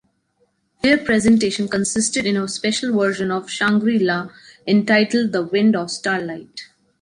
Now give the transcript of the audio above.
Their presentation consisted in a special version of ‘Shangri-La’ entitled ‘The Wind of Starlight’.